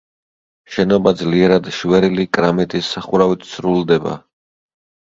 შენობა ძლიერად შვერილი კრამიტის სახურავით სრულდება.